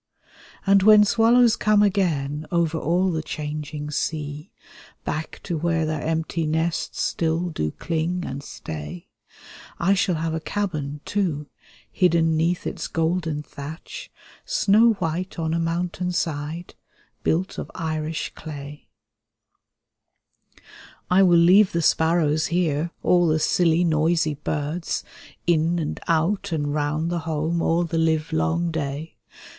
And when swallows come again over all the changing sea, Back to where their empty nests still do cling and stay, I shall have a cabin, too, hidden 'neath its golden thatch. Snow white on a mountain side, built of Irish clay, I will leave the sparrows here, all the silly noisy birds. In and out and round the home all the live long day.